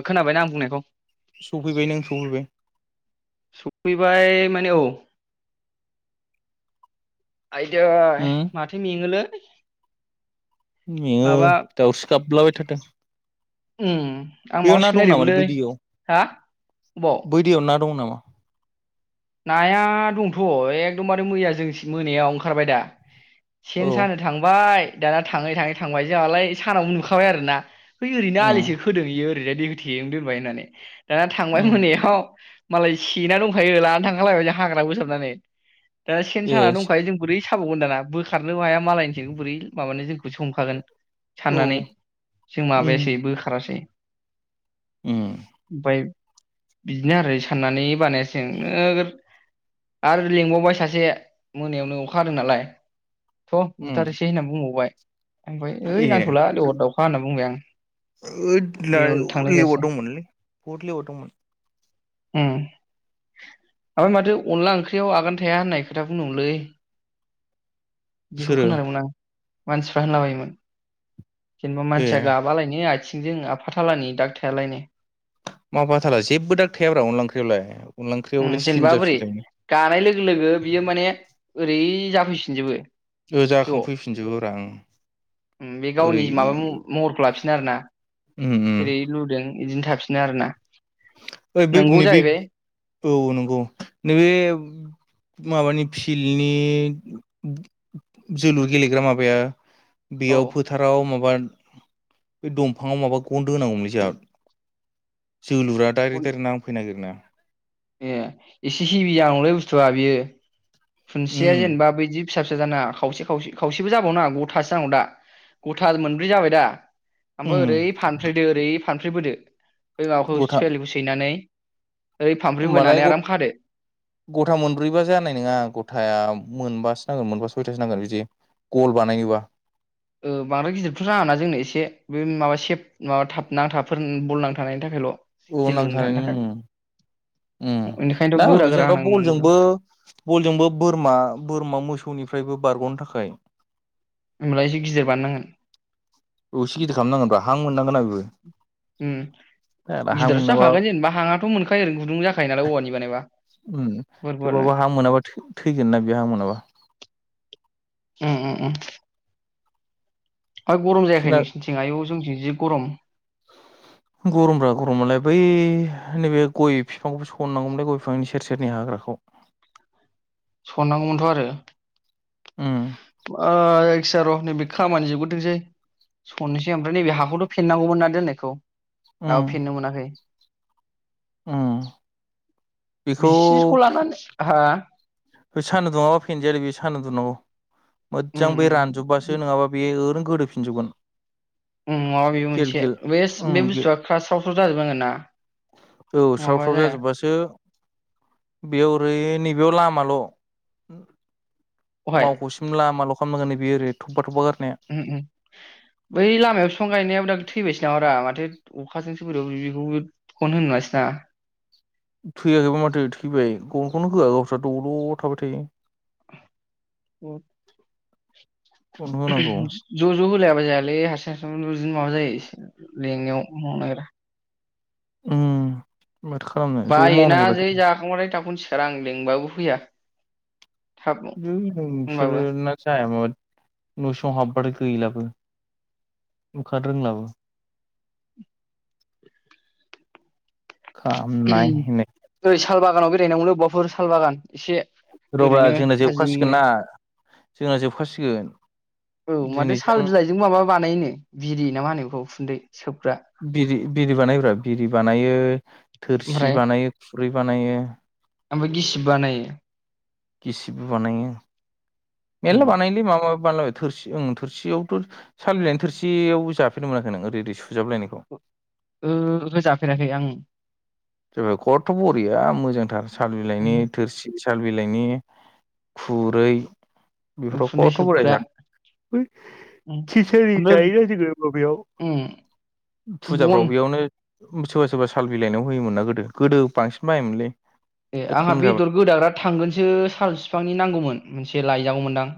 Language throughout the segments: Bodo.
ओ खोनाबायना आं बुंनायखौ? सफैबाय नों सफैबाय फैबाय माने औ। आयदै उम माथो मेङोलै। मेङो माबा दाउसो गाब्लाबाय थादों। उम आं माबा दं नामालै सोनायदोंमोनलै बै हा अबाव। बि अनना दं नामा [unintelligible] नाया दंथ' एकदमबारे मैया जों सि मोनायाव ओंखारबाय दा सेन औ सानो थांबाय दाना थाङै थाङै थांबाय जोंहालाय सानाव नुखाबाय आरो ना बै ओरैनो उम आलिसो होदों इयो ओरैजाय होथेनो दोनबाय होननानै दाना थांबाय उम मोनायाव। मालाय सेना दंखायो लाना थांखालायबाय जों हाग्रा बोसाबनानै दा सेन ए साना दंखायो जों बोरै साबावगोन दाना बोखारनोबो हाया मालायनिसो बोरै माबानो जोंखौ सो हमखागोन। औ साननानै जों माबायासै उम बोखारासै। उम ओमफाय बिदिनो आरो साननानै बानायासै नोगोद आरो लेंबावबाय सासे मोनायाव नो अखहादों नालाय थ' उम बुथारोसै होनना बुंबावबाय ओमफ्राय ओइ ए नांथ'ला लेवार दावखा होनना बुंबाय आं। ओद बेयावनो लिया- थांनाय जायासै लिरदोंमोनलै बद लिरदोंमोन ओम ओम माथो अनला ओंख्रियाव आगान थाया होननाय खोथा बुंदोंलै बिखौ सोरो खोनादोंमोन आं मानसिफ्रा होनला बायोमोन जेनेबा ए मानसिया गाब माबालायनो आथिंजों आफाथालानि दाख थायालायनो मा आफाथाला जेबो दाग थायााब्रा अनला ओंख्रियावलाय अनला ओंख्रियावलाय स्लिम जेनेबा बोरै जाफिनखायोनो गानाय लोगो- लोगो बियो माने ओरै जाफैफिनजोबो ओ ज' जाखांफैफिनजोबौ रा ओं बे ओरै गावनि माबा म महरखौ लाफिनो आरो ना? उम उम जेरै लुदों बिदिनो थाफिनो आरो ना ओ बेै नैबे औ नंगौ नैबे माबानि फिल्डनि जोलुर गेलेग्रा माबाय औ बेयाव फोथाराव माबा बे दंफाङाव माबा गन दोनांगौमोनलै जोंहा जोलुरा दरै दायरै नांफैनो नागिर ना ए एसे हिभिया जानांगौलै बुस्थुआ बियो खुनथियाया उम जेनेबा बदि फिसा -फिसा जानाङा खावसे -खावसे -खावसेबो जाबावनााङा गथासो नांगौ दा गथा मोनब्रै जाबाय दा उम ओमफ्राय ओरै फानफ्लेदो ओरै फानफ्लेबोदो बे माबाखौ गथा सिफलिखौ सैनानै ओइ फानफ्रि होमबालाय बोनानै आराम खादो। गथा मोनब्रैबा जानाय नोङा गथाया मोनबासो नांगोन मोनबा सयथासो नांगोन बिदि गल बानायनोबा। ओ बांद्राय गिदिरथ' नाङाना जोंनो एसे बे माबा सेफ माबा थाब नांथाबफोर बल नांथानायनि थाखायल'। औ जोलुरनो थानो नांथानाय थाखाय ओम ओम बेनिखायनोथ' दा गोरा गोरा जेनबा होनांगौमोन बलजोंबो बलजोंबो बोरमा बोरमा मोसौनिफ्रायबो बारग'नो थाखाय होमब्ला एसे गिदिर बानायनांगोन। औ एसे गिदिर खालामनांगोन ब्रा हां मोननांगोना बेबो। उम जाग्ला हां गिदिरयाथ' मोनाबा जाखागोन जेनेबा हाङाथ' मोनखायो ओरैनो गुदुं जाखायो नालाय औवानि बानायबा। ओम गुवार गुवारनो थेवबाबो हां मोनाबा थै-थैगोन ना बे हां मोनाबा। ओम ओम ओम। फा गरम जायाखै थैना नोंसिनिथिं आयौ जोंनिथिं गरम‌। गरम ब्रा गरमालाय बै नैबे गय बिफांखौबो सननांगौमोनलाय गय बिफांनि सेर सेरनि हाग्राखौ। सननांगौमोनथ' आरो। ओम। ओ जायखिजाया र' नैबे खामानि जोबबग्रोथोंसै। सननोसै ओमफ्राय नैबे हाखौथ' फेननांगौमोन ना दोननायखौ उम दाबो फेननो मोनाखै। उम बेखौ बिसिरखौ लानानै हा। बे सानदुं दुङाबा फेनजायालै बे सान्दुं दुंनांगौ उम मोज्जां बे उम रानजुब्बासो नङाबा बेयो ओरैनो गोदोफिनजोबगोन। उ माबा बेबो गेल मोनसे गेल बे उम बे बुस्थुआ क्लासावस' जाजोबनांगोन ना औ स्राव नङाबा स्राव जाया जाजोब्बासो बेयाव ओरै नैबेयाव लामाल' अहाय मावख'से ओम लामाल' खामनांगोन नै बेयो ओरै थपा थपा गारनाया। [inaudible] बै लामायाव बिफां गायनायाबो दा थैबायसो नामा ब्रा माथो अखाजोंसो बोरैबा बोरैबिखौबो [unintelligible] थैयाखैबा माथो थैबाय गनखौनो होआ गावस्रा दल' थाबाय थायो। उम। गन होनांगौ [inaudible] ज' ज' होलायाबा जायालै हारसिं हारसिं [unintelligible] माबा जायो लेंनायाव मावनो नागिरा। उम। माथो खालामनो। ज' बायोना मावनांगौ रा जै जाखांबाथाय थाबखोनो सिखारा आं लिंबाबो फैया। थाब है होनबाबो नोंसोरना जाया माबा न' सिङाव हाबबाथाय गैलाबो। ओंखारनो रोंलाबो। [inaudible] खामनाय [unintelligible] ओरै साल बागानाव बेरायहैनांगौ बबाफोर साल बागान एसे। र ब्रा ओरैनो जोंना जोबखासिगोन थाजिमनो ना जोंना जोबखासिगोन। औ माथो साल दिनैजों बिलाइजोंबो माबा बानायोनो बिरि ना मा होनो बेखौ उखुन्दै सोबग्रा। बिरि बिरि बानायो ब्रा बिरि बानायो थोरसि बानायो खुरै बानायो। ओमफाय गिसिब बानायो। गिसिब्बो बानायो उम मेरला बानायोलै माबा माबि बानायलाबाय। थोरसि ओं थोरसियावथ' साल बिलायनि थोरसियावबो जाफेरनो मोनाखै नों ओरै ओरै सुजाबलायनायखौ? ओ ओहो जाफेराखै आं [unintelligible] खथ्थ बरिया मोजांथार सान बिलाइनि उम थोरसि साल बिलाइनि खुरै बेफोराव उखुन्दै खथ' बरिया सोबग्रा जानो उम खिसारि ओमफ्राय जायो जोङो बबेयाव उम बन फुजाफ्राव बेयावनो सोरबा सोरबा साल बिलाइनायाव होयोमोन ना गोदो- गोदो बांसिन बायोमोनलै ए दा आंहा खम जाबाय बेदर गोदाग्रा थांगोनसो साल फिफांनि नांगौमोन मोनसे लायजागौमोनदां?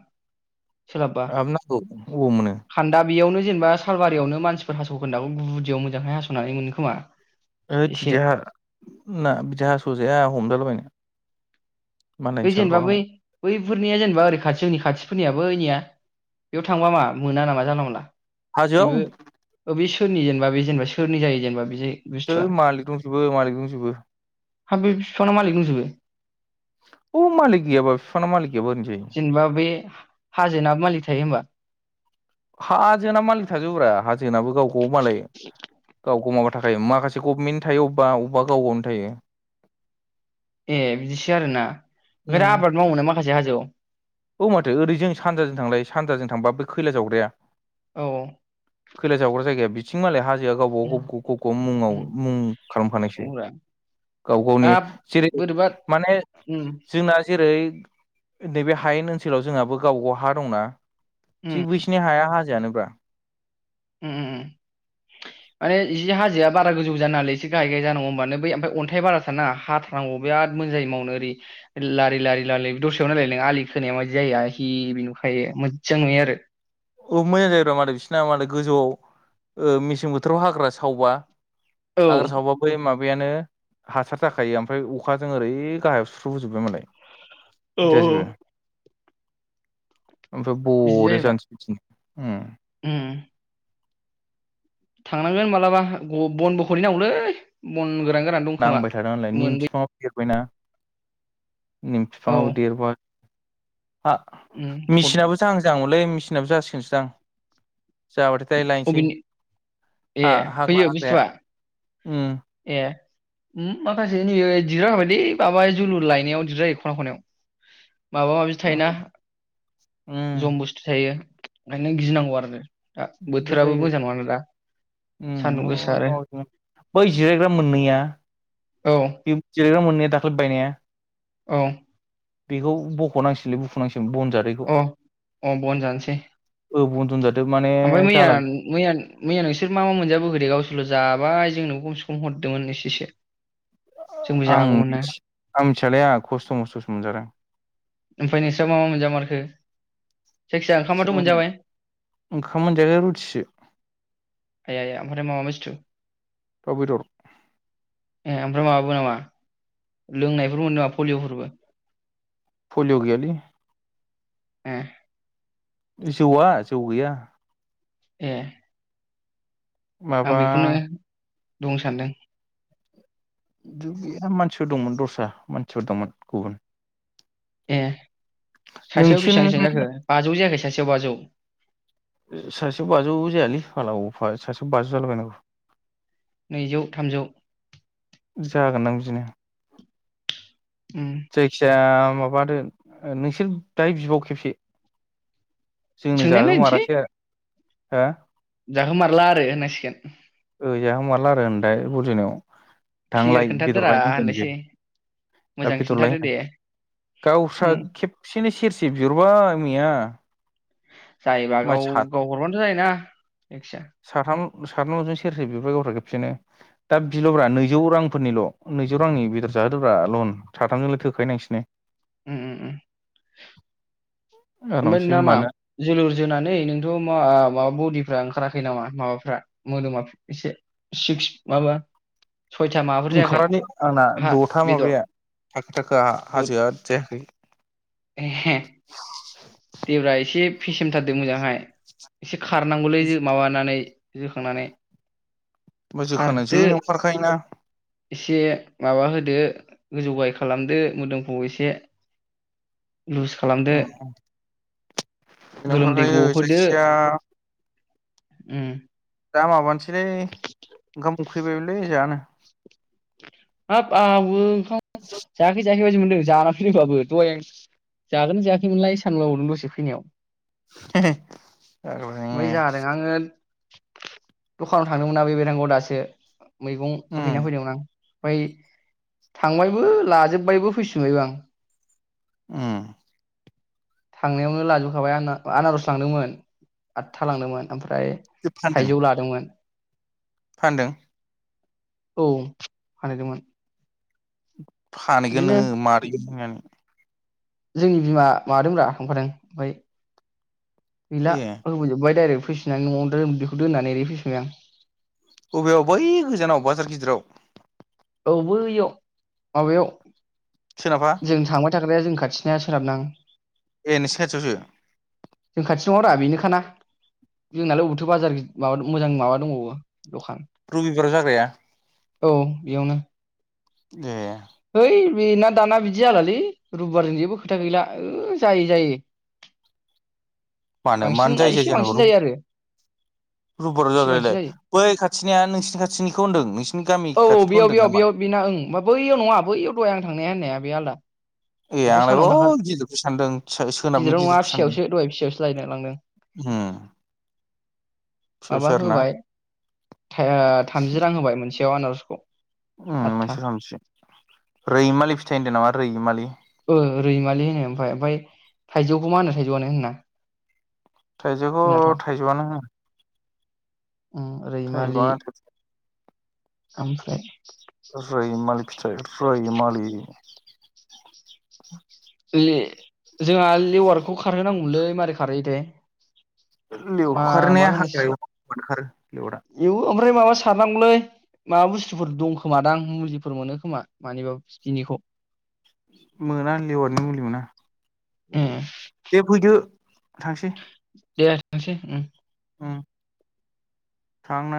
सोलाबबा आंहाबो नांगौ अबाव मोनो? खान्दा बेयावनो जेनेबा सालबारियावनो मानसिफोर हास'खोनदा गुदियाव मोजांहै हास'नानै मोनो खोमा? ओइडस एसे बिदिहा ना बिदि हास'जाया हमजालाबायनो। बै मालायनि साल जेनेबा बै बागानाव बैफोरनिया जेनेबा ओरै खाथि जोंनि खाथिफोरनिया बैनिया बेयाव थांबा मा मोना नामा जानला मोनला? हाजोआव बेबो ओ बै सोरनि जेनेबा बे जेनेबा सोरनि जायो जेनेबा बे जायो? थो मालिक दंजोबो मालिक दंजोबो। हा बे बिफांना मालिक दंजोबो? अ मालिक गैबा बिफांना मालिक गैयाबा ओरैनो जायो जेनेबा बे हा हाजोनाबो मालिक थायो होनबा? हाजोनाबो मालिक थाजोबोब्रा हाजोनाबो गाव - गाव मालाय गाव-गाव माबा थाखायो माखासे गभमेन्टनि थायो अबेबा अबेबा गाव गावनो थायो। ए बिदिसो आरोना ओनफाय दा उम आबाद मावनो मोनो माखासे हाजोआव? औ माथो ओरै जों सानजाजों थांलाय सानजाजों थांबा बे खैला जावग्राया औ औ खैला जावग्रा जायगाया बि बिथिं मालाय हाजोआ गावबा उम गाव ग ग ग उम मुङाव मुं खालाम खानायसो। औब्रा गाव -गावनि हाब जेरै बोरैबा माने उम जोंना जेरै नैबे हायेन ओनसोलाव जोंहाबो गावबा गाव हा दंना उम थिग बैसिनि हाया हाजोयानोब्रा। उम उम उम माने जि हाजोआ बारा गोजौ जानांयालै एसे गाहाय गाहाय जानांगौ होमबानो बै ओमफाय अन्थाइ बारा थानाङा। आंबो बिराद मोजां जायो मावनो ओरै। लारि लारि लालि दसेयाव नायलाय नों आलि खोनाया मायदि जायोआ हिबि नुखायो मोज्जां नुयो आरो। औ मोजां जायोब्रा मादै बिसोरना मादै गोजौआव ओ मेसें बोथोराव हाग्रा सावबा। औ हाग्रा सावबा बै माबायानो हासार जाखायो ओमफ्राय अखाजों ओरै गाहायाव सुस्रबोजोबो मालाय। औ जाजोबो? ओमफ्राय बिदि बरिया जायोब्रा जानोसै बिदिनो उम। उम। थांनांगोन मालाबाअ बनबो खनै नांगौलै बन गोरान गोरान दं खोमा नांबाय थादों नालाय निम मोनबोयो बिफाङाव देरबायना निम औ बिफाङाबो देरबाय। आ उम हर- मेचिनाबो जाहां जाहां मोनलै मेचिनाबो जासिगोनसो दां। जाबाथाय दाहाय लायसै अबेनि ए हा हाग्रा फैयो हाग्राया बुस्थुआ उम। ए उम माखासे नैबे दिरजाखाबाय लै माबाय जोलुर लायनायाव दिरजायो खना खनायाव। माबा माबि उम थायोना। उम जम बुस्थु थायो ओंखायनो गिनांगौ आरो दा दिगदार बोथोराबो जायो मोजां नङाना दा। सान्दुं गोसा आरो बै जिरायग्रा मोननैया औ बे जिराग्रा मोनैया दाख्लै बायनाया औ बेखौ बखनांसिगोनलै बुखुनांसिगोन बन जादो अ अ बन जानोसै ओ बन जनजादो ओमफाय मैया मैया मैया नोंसोर मा मा मोनजाबोखो दे गावसोरल' जाबाय जोंनोबो खमसे खम हरदोंमोन एसेसो [inaudible] जोंबो आं जागौमोन ना आं मिथियालोय आंहा खस्थ' मस्थ'सो मोनजादों ओमफाय नोंस्रा मा मा मोनजा मारखो जों ओंखाम मोनजायाखै रुथिसो ए एया ओमफ्राय माबा बुसथु दाव बेदर ए ओमफ्राय माबाबो नामा लोंनायफोरबो मोनदों नामा पलियफोरबो फलिय गैयालै ए जौआ जौ गैया ए आं माबा बेखौनो बुंनो सानदों बिराद मानसिफोर दंमोन दस्रा मानसिफोर दंमोन गुबुन ए सासेयाव नोंसिन बेसिबां बेसिबां जाखो बाजौ जायाखै सासेयाव बाजौ सासेयाव बाजौ जायालै मालाफ सासेयाव बाजौ जाला बायनांगौ नैजौ थामजौ जागोनदां बिदिनो उम जायखिजाया माबादो नोंसोर दायो बिबाव खेबसे जोंनो सोंनाय नायनोसै जाहोमारासै आरो हा जाहोमारला आरो होननांसिगोन ओ जाहोमारला आरो होनाय बुजिनायाव क्लियार थांलाय खोन्थादोरा बेदरलाय होनलायसै होनसै मोजां खिन्थादो दे गावस्रा उम खेबसेनो सेरसे बिहरबाय मैया जायोबा गाव मानसि साथाम गाव हरबानोथ' जायोना जायखिया साथाम साथामजों सेरसे बिहरबाय गावस्रा खेबसेनो दा बिल'ब्रा नैजौ रांफोरनिल' नैजौ रांनि बेदर जाहोदोब्रा लन साथामजोंलाय थोखायो नोसिनो उम उम उम ओमफाय आरामसे नोंना मा होमबानो जोलुर जोनानै नोंथ' मा माबा बडिफ्रा ओंखाराखै नामा माबाफ्रा मोदोमा एसे सिक्स माबा सयथा माबाफोर जायाखै ओंखारालोय आंना हा दथा बेदर माबाया थाखो थाखो हाजोआ जायाखै ए देब्रा एसे फेसेमथारदों मोजांहाय एसे खारनांगौलै माबानानै जोखांनानै जोखांनानै खारदो जोनायावनो खारखायोना एसे माबा होदो गोजौ गाहाय मोदोमखौ एसे लुज खालामदो उम जोनायावनो गोलोमदै खारखायो गहोदो। जायखिया उम दा माबानोसैलै ओंखाम उखैबायबोलै जानो। हाब आहाबो ओंखाम जायाखै जायाखै बायदि मोनदों जाना फैदोंबाबो दहाय आं जागोन जायाखैमोनलाय सानबावो नों दसै फैनायाव। [inaudible] बेै जादों आङो दखानाव थांदोंमोन ना बे बेरांगआव दासो मैगंबो उम हैना फैदोंमोन आं। फाय थांबायबो लाजोबबायबो फैफिनबायबो आं। उम थांनायावनो लाजोबखाबाय आंना-आनारस लांदोंमोन आदथा लांदोंमोन ओमफ्राय फानदों थाइजौ लादोंमोन। फानदों। औ फानहैदोंमोन। फानहैगोन बिदिनो नोङो मारिहैगोन जोंनि बिमा माबादोंब्रा थांफादों ओमफ्राय गैला ए होबोजोबाय डाइरेक्ट फैसिननानै न'आवनो बेखौ दोननानै ओरै फैफिनबाय आं। अबेयाव बै गोजानाव बाजार गिदिराव। औ बैयाव माबायाव सोनाबहा। जों थांबाय थाग्राया जों खाथिनिया सोनाबनां ए नोसिनि खाथियावसो। जों खाथि दङ रा बेनो खाना। जोंनालाय अबावथो बाजार माबा मोजां माबा दंबावो दखान। रबिबाराव जाग्राया औ बेयावनो। ए है बेनान दाना बिदि जालालै रबिबारजों जेबो खोथा गैला ओ जायै जायै। मानो मानो बांसिन दा जायो एसे बांसिन जायो आरो। रबिबार एसे बांसिन जाग्रायालाय जायो बै खाथिनिया नोंसोरनि खाथिनिखौ होनदों नोंसिनि गामि खाथिनिखौ होनदों नामा? बिना ओं बा बैयाव नङा बैयाव दहाय आं थांनाया होननाया बे आलदा। ए बेथ' आंलाय ओ सानावनो थाखा गिदिरखौ सानदों सो-सोनाबनि गिदिराव नङा गिदिरखौ सानदों। फिसायावसो दहाय फिसायावसो लायनो लांदों उम माबा फिसासो आरोना होबाय थाय ओ थामजि रां होबाय मोनसेयाव आनार'सखौ। उम आदथा मोनसे आव थामजि रैमालि फिथाइ होनदों नामा रैमालि। ओ रैमालि होनो ओमफाय ओमफाय थाइजौखौ मा होनो थाइजौआनो होनोना? थाइजौखौ थाइजौआनो होनो। उम रैमालि थायइजौआनथ' ओमफ्राय ओ रैमालि फिथाइ फुरैमालि। लि जोंहा लेवारखौ खारहोनांगौमोनलै मारै खारहोयोथाय? मा लिवखारनाया हाग्रायाव ओंखारो लिवारा। इव ओमफ्राय माबा सारनांगौलै माबा बुस्तुफोर दं खोमा दां मुलिफोर मोनो खोमा मानिबा बिनिखौ। मोना लेवारनि मुलि मोना। उम। दे फैदो थांसै। दे थांसै उम। उम। थांना।